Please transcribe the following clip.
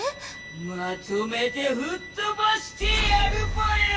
まとめてふっとばしてやるぽよ！